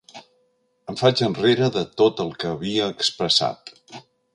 Em faig enrere de tot el que havia expressat.